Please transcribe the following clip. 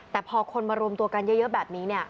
แต่พอคนมารวมตัวกันเยอะแบบนี้